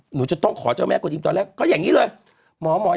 หนูจะต้องขอเจ้าแม่กฎอิ่มตอนแรกก็อย่างงี้เลย